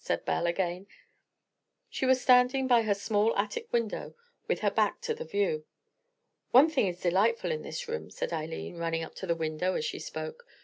said Belle again. She was standing by her small attic window with her back to the view. "One thing is delightful in this room," said Eileen, running up to the window as she spoke.